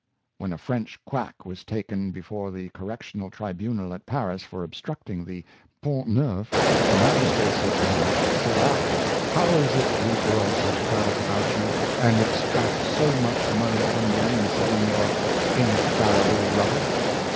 When a French quack was taken before the Correctional Tribunal at Paris for obstructing the Pont Neuf, the magistrate said to him, '^Sirrah! how is it you draw such crowds about you, and extract so much money from them in selling your ' infallible' rubbish?"